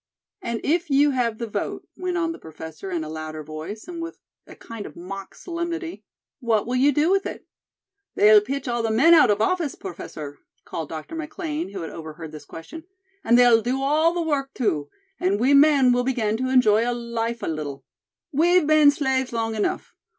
"And if you have the vote," went on the Professor in a louder voice, and with a kind of mock solemnity, "what will you do with it?" "They'll pitch all the men out of office, Professor," called Dr. McLean, who had overheard this question; "and they'll do all the work, too, and we men will begin to enjoy life a little. We've been slaves long enough.